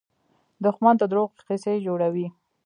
دښمن د دروغو قصې جوړوي